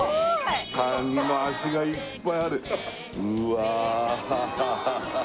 カニの足がいっぱいあるうわー